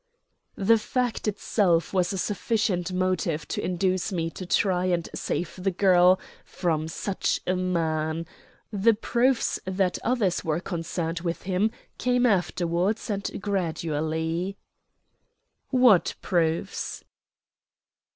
"The fact itself was a sufficient motive to induce me to try and save the girl from such a man the proofs that others were concerned with him came afterward and gradually." "What proofs?"